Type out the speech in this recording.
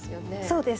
そうですね。